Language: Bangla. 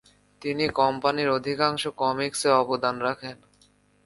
তিনি কোম্পানির অধিকাংশ কমিক্সে অবদান রাখেন।